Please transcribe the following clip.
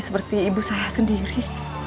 seperti ibu saya sendiri